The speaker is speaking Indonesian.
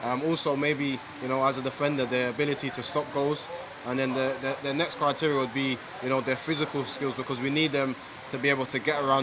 kami memiliki kekuatan untuk memperbaiki kekuatan terbaik dari pelatih dan memiliki kekuatan untuk memainkan pertempuran